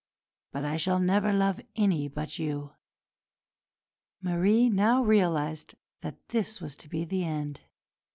But I shall never love any but you." Marie now realised that this was to be the end.